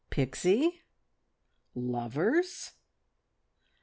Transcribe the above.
Pixie! Lovers!